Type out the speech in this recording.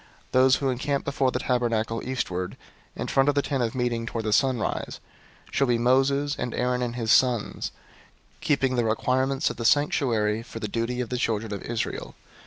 003:038 Those who encamp before the tabernacle eastward, in front of the Tent of Meeting toward the sunrise, shall be Moses, and Aaron and his sons, keeping the charge of the sanctuary for the charge of the children of Israel.